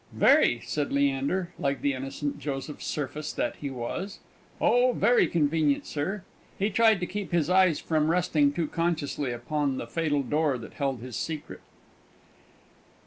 "Very," said Leander (like the innocent Joseph Surface that he was); "oh, very convenient, sir." He tried to keep his eyes from resting too consciously upon the fatal door that held his secret.